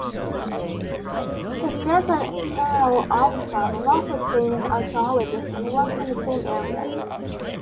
His grandson Karel Absolon was also famous archaeologist and worked in the same area.